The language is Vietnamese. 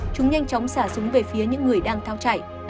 chúng nhanh chóng xả súng về phía những người đang thao chạy